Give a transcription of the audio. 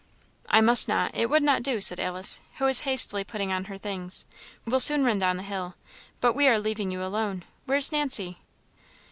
"I must not it wouldn't do," said Alice, who was hastily putting on her things; "we'll soon run down the hill. But we are leaving you alone where's Nancy?"